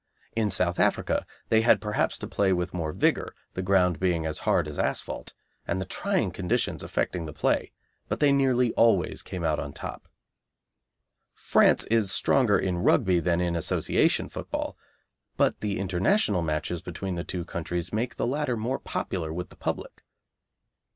In South Africa they had perhaps to play with more vigour, the ground being as hard as asphalte, and the trying conditions affecting the play, but they nearly always came out top. France is stronger in Rugby than in Association Football, but the International matches between the two countries make the latter more popular with the public.